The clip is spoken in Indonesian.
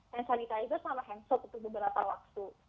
hand sanitizer sama hand shop itu beberapa waktu